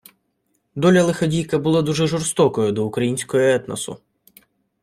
Доля-лиходійка була дуже жорстокою до українського етносу